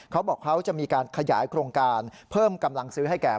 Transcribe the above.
เขาบอกเขาจะมีการขยายโครงการเพิ่มกำลังซื้อให้แก่